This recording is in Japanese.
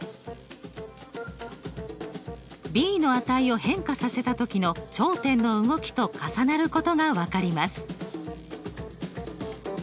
ｂの値を変化させた時の頂点の動きと重なることが分かります。